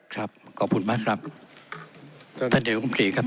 ครับขอบคุณมากครับท่านเดี๋ยวคุณผู้ถึงครับ